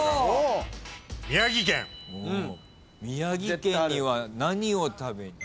宮城県には何を食べに？